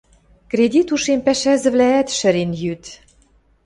Кредит ушем пӓшӓзӹвлӓӓт шӹрен йӱт.